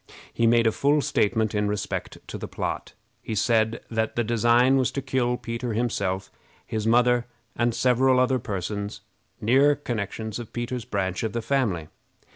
He made a full statement in respect to the plot. He said that the design was to kill Peter himself, his mother, and several other persons, near connections of Peter's branch of the family.